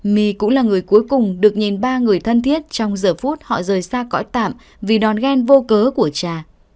my cũng là người cuối cùng được nhìn ba người thân thiết trong giờ phút họ rời xa cõi tạm vì đòn ghen vô cớ của cha